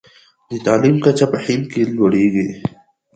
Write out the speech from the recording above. د تعلیم کچه په هند کې لوړیږي.